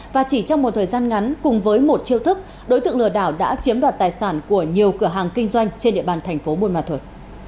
và chỉ trong một thời gian ngắn cùng với một chiêu thức đối tượng lừa đảo đã chiếm đoạt tài sản của nhiều cửa hàng kinh doanh trên địa bàn thành phố buôn ma thuột